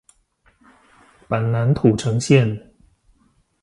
板南土城線